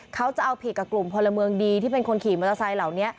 เขาจะเอาผิดกับกลุ่มพลเมืองดีที่เป็นคนขี่มอเตอร์ไซค์เหล่านี้